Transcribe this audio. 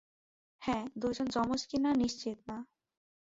হ্যাঁ, দুইজন জমজ কিনা নিশ্চিত না।